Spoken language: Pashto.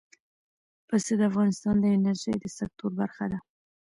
پسه د افغانستان د انرژۍ د سکتور برخه ده.